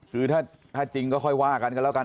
คือถ้าจริงก็ค่อยว่ากันกันแล้วกัน